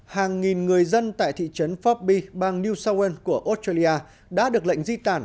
hàng nghìn người dân tại thị trấn forby bang new south wales của australia đã được lệnh di tản